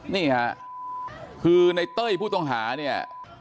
นี่ค่ะคือในเต้ยผู้ต้องหาเนี่ย